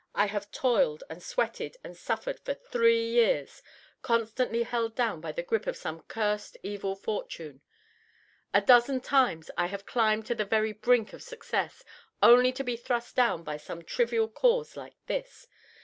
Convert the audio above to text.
I have toiled and sweated and suffered for three years, constantly held down by the grip of some cursed evil fortune. A dozen times I have climbed to the very brink of success, only to be thrust down by some trivial cause like this.